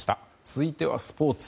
続いてはスポーツ。